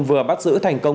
vừa bắt giữ thành công